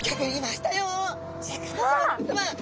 シャーク香音さま皆さま